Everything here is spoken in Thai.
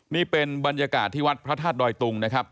นี่เป็นบรรยากาศที่วัดพระธาตุดอยตุงนะครับ